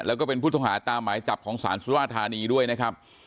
แล้วก็เป็นผู้ต้องหาตามหมายจับของศาลสุราธานีด้วยนะครับ